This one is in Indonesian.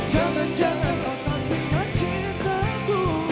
jangan jangan kau tak terima cintaku